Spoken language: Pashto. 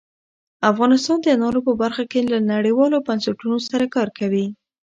افغانستان د انارو په برخه کې له نړیوالو بنسټونو سره کار کوي.